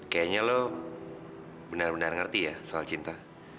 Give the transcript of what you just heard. kayaknya lo benar benar ngerti ya soal cinta